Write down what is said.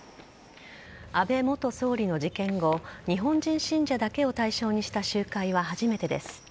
安倍元総理の事件後日本人信者だけを対象にした集会は初めてです。